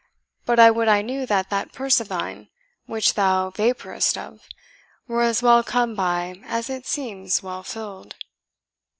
But I would I knew that that purse of thine, which thou vapourest of, were as well come by as it seems well filled."